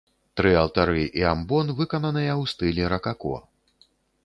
Тры алтары і амбон выкананыя ў стылі ракако.